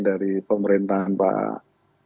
dari pemerintah pak